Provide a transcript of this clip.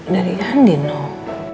dari andin noh